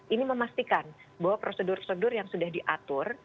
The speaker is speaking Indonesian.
ini memastikan bahwa prosedur prosedur yang sudah diatur